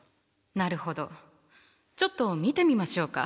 なるほどちょっと見てみましょうか。